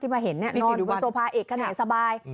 ที่มาเห็นนอนบนโซภาเอกสบาย